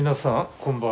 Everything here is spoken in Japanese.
こんばんは。